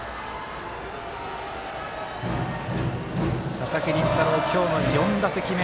佐々木麟太郎、今日の４打席目。